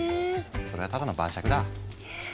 それはただの晩酌だ。ね？